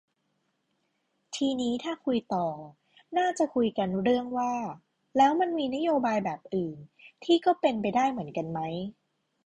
ทีนี้ถ้าคุยต่อ น่าจะคุยกันเรื่องว่า แล้วมันมีนโยบายแบบอื่น ที่ก็เป็นไปได้เหมือนกันไหม